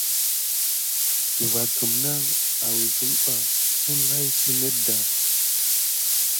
Va kuna nat asumɓa simray si net ɗà.